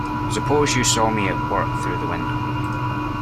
Suppose you saw me at work through the window.